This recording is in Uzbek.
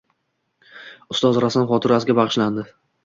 Ustoz rassom xotirasiga bag‘ishlanding